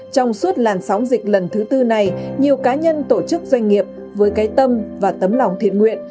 trong suốt làn sóng dịch lần thứ tư này nhiều cá nhân tổ chức doanh nghiệp với cái tâm và tấm lòng thiện nguyện